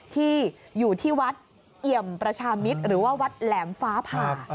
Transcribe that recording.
ที่อยู่ที่วัดเอี่ยมประชามิตรหรือว่าวัดแหลมฟ้าผ่า